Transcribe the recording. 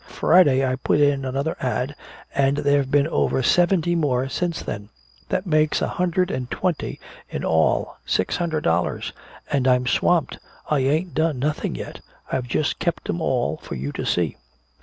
Friday I put in another 'ad' and there've been over seventy more since then! That makes a hundred and twenty in all six hundred dollars! And I'm swamped! I ain't done nothing yet I've just kept 'em all for you to see!"